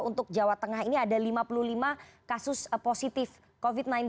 untuk jawa tengah ini ada lima puluh lima kasus positif covid sembilan belas